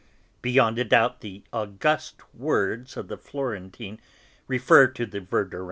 Beyond a doubt, the august words of the Florentine refer to the Verdurins!